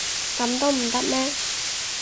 噉都唔得咩？